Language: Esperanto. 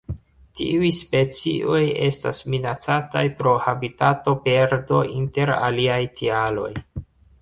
Tiuj specioj estas minacataj pro habitatoperdo, inter aliaj tialoj.